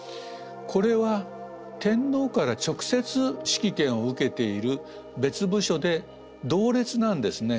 これは天皇から直接指揮権を受けている別部署で同列なんですね。